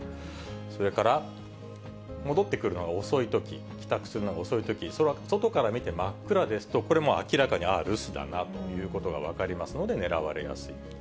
それから、戻ってくるのが遅いとき、帰宅するのが遅いとき、外から見て真っ暗ですと、これはもう、明らかに留守だなということが分かりますので、狙われやすい。